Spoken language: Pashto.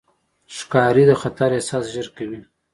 ښکاري د خطر احساس ژر کوي.